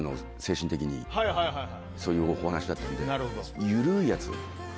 そういうお話だったので。